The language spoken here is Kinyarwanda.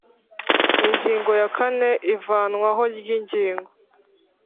Ingingo ya kane ivanwaho ry ingingo